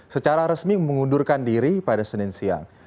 secara resmi mengundurkan diri pada senin siang